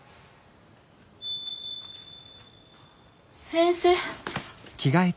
先生。